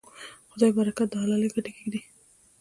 خدای برکت د حلالې ګټې کې ږدي.